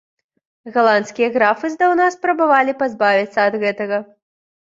Галандскія графы здаўна спрабавалі пазбавіцца ад гэтага.